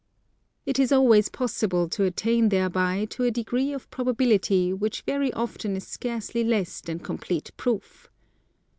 It is always possible to attain thereby to a degree of probability which very often is scarcely less than complete proof.